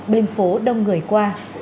bên phố đông người qua